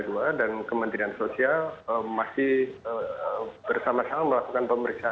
dan kementerian sosial masih bersama sama melakukan pemeriksaan